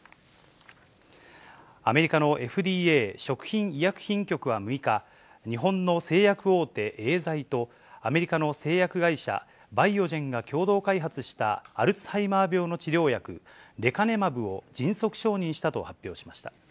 アメリカのＦＤＡ・食品医薬品局は６日、日本の製薬大手、エーザイと、アメリカの製薬会社、バイオジェンが共同開発したアルツハイマー病の治療薬、レカネマブを迅速承認したと発表しました。